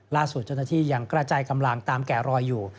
ล่าส่วนจนที่ยังกระจายกำลังตามแก่รอยอยู่